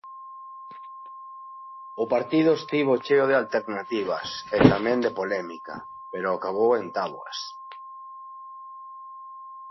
O partido estivo cheo de alternativas, e tamén de polémica, pero acabou en táboas.